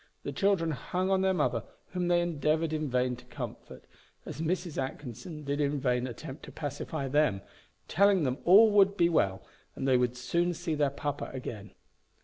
The children hung on their mother, whom they endeavoured in vain to comfort, as Mrs. Atkinson did in vain attempt to pacify them, telling them all would be well, and they would soon see their papa again.